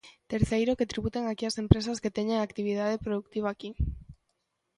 Terceiro que tributen aquí as empresas que teñen actividade produtiva aquí.